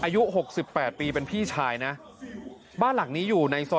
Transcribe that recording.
ยอดมวยร้อยตำรา